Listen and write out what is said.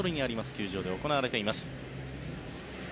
球場で行われています。